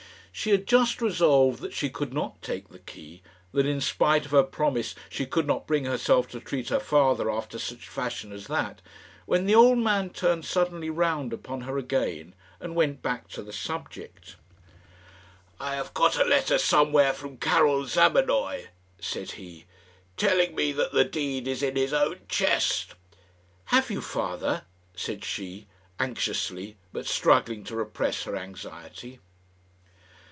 She had just resolved that she could not take the key that in spite of her promise she could not bring herself to treat her father after such fashion as that when the old man turned suddenly round upon her again, and went back to the subject. "I have got a letter somewhere from Karil Zamenoy," said he, "telling me that the deed is in his own chest." "Have you, father?" said she, anxiously, but struggling to repress her anxiety.